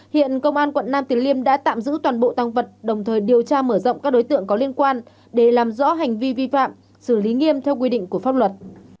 hiện công an quận nam tiến liêm đã tạm giữ toàn bộ tăng vật đồng thời điều tra mở rộng các đối tượng có liên quan để làm rõ hành vi vi phạm xử lý nghiêm theo quy định của pháp luật